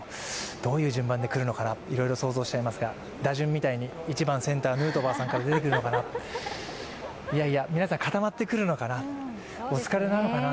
どういう順番で来るのかな、いろいろ想像しちゃいますが、打順みたいに１番・センター・ヌートバーさんが来るのかな、いやいや、皆さんかたまって来るのかな、お疲れなのかな